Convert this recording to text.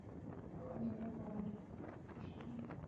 ya uwanja hapa uwanja wa furahisha